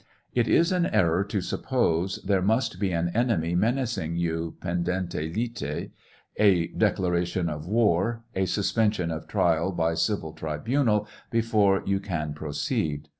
It is an error to suppose there must be an enemy menacing you pendente lite, a declaration of war, a suspension of trial by civil tribunal before you can pro ceed.